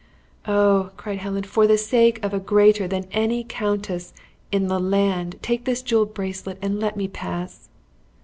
"Oh!" cried Helen, "for the sake of a greater than any countess in the land, take this jeweled bracelet, and let me pass!"